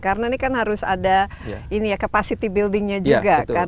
karena ini kan harus ada capacity buildingnya juga